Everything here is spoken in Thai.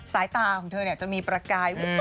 สายตาคงจะมีประกาย